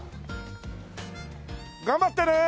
頑張ってねー！